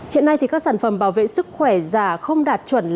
hiện nay các sản phẩm bảo vệ sức khỏe giả không đạt chuẩn